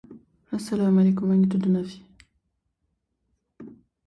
Lotu Fuli is the current chair of the board.